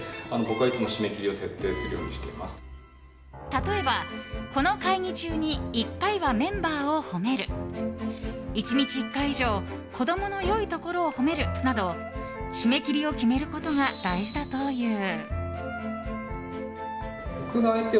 例えば、この会議中に１回はメンバーを褒める１日１回以上子供の良いところを褒めるなど締め切りを決めることが大事だという。